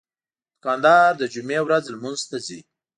دوکاندار د جمعې ورځ لمونځ ته ځي.